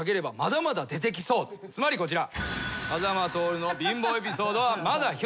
つまりこちら。